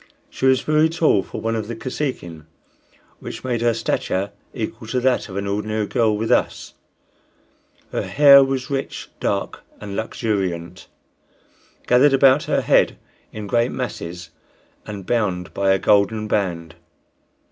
She was very tall for one of the Kosekin, which made her stature equal to that of an ordinary girl with us; her hair was rich, dark and luxuriant, gathered about her head in great masses and bound by a golden band.